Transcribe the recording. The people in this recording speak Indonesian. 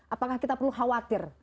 apakah kita perlu khawatir